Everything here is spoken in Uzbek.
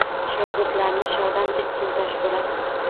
Shogirdlarni shodon etding, Toshpo‘lat.